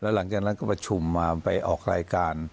หลังจากนั้นก็ประชุมมาไปออกรายการ